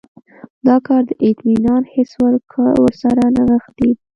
دا کار د اطمینان حس ورسره نغښتی دی.